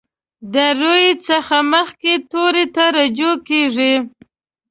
د روي څخه مخکې توري ته رجوع کیږي.